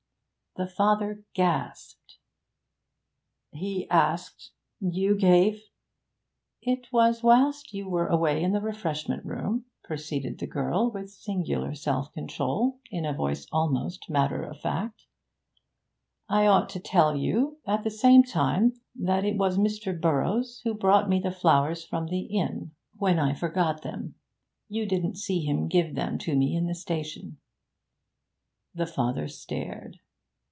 The father gasped. 'He asked ? You gave ?' 'It was whilst you were away in the refreshment room,' proceeded the girl, with singular self control, in a voice almost matter of fact. 'I ought to tell you, at the same time, that it was Mr. Burroughs who brought me the flowers from the inn, when I forgot them. You didn't see him give them to me in the station.' The father stared.